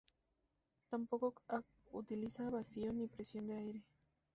Tampoco utiliza vacío ni presión de aire.